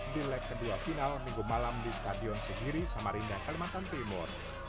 di leg kedua final minggu malam di stadion segiri samarinda kalimantan timur